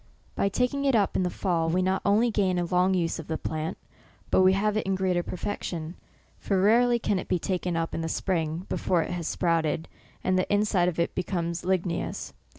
By taking it up in the fall, we not only gain a lone; use of the plant, but we have it in greater perfection ; for rarely can it be taken up in the spring, before it has sprouted, and the inside of it become ligneous.